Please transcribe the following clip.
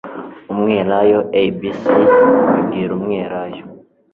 UMWELAYO Abc bibwira umwelayo